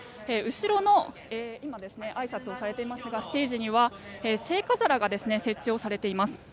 今、あいさつをされていますが後ろのステージには聖火皿が設置されています。